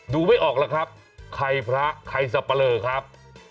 ไม่ออกแล้วครับใครพระใครสับปะเลอครับ